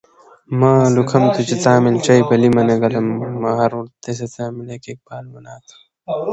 ݜس وائرساں چؤر قِسمہ تھو۔